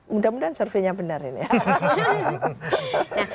mudah mudahan surveinya benar ini ya